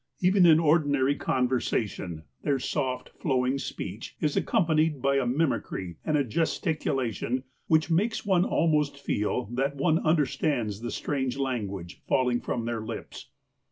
Even in ordinary conversation, their soft flowing speech is accompanied by a mimicry and a gestic ulation, which makes one almost feel that one under stands the strange language falling from their lips.